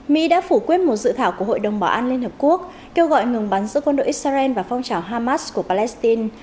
mỹ đã phủ quyết một dự thảo của hội đồng bảo an liên hợp quốc kêu gọi ngừng bắn giữa quân đội israel và phong trào hamas của palestine